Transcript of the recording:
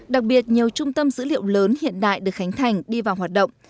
đặc biệt nhiều trung tâm dữ liệu lớn hiện đại được khánh thành đi vào hoạt động